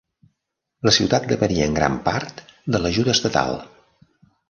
La ciutat depenia en gran part de l'ajuda estatal.